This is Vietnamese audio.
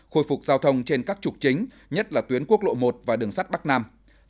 khôi phục giao thông trên các trục chính nhất là tuyến quốc lộ một và đường sắt bắc nam